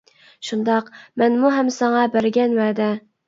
شۇنداق. مەنمۇ ھەم ساڭا بەرگەن ۋەدە!